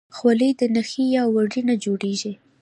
خولۍ د نخي یا وړۍ نه جوړیږي.